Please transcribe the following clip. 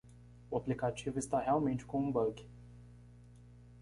O aplicativo está realmente com um bug.